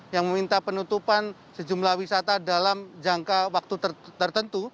yang meminta penutupan sejumlah wisata dalam jangka waktu tertentu